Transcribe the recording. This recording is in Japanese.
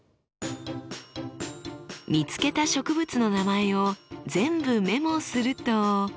見つけた植物の名前を全部メモすると。